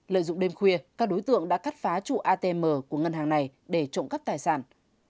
lợi dụng đêm khuya các đối tượng đã cắt phá chủ atm của ngân hàng này để trộm cắp tài sản